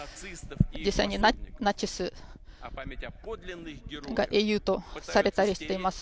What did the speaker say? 実際にナチスが英雄とされたりしています。